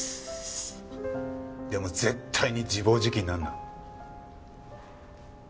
でも絶対に自暴自棄になるな。